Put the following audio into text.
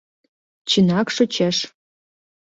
Чынак шочеш.